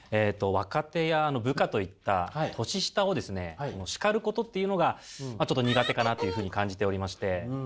若手や部下といった年下をですね叱ることっていうのがちょっと苦手かなというふうに感じておりまして。